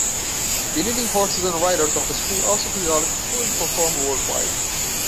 The leading horses and riders of the school also periodically tour and perform worldwide.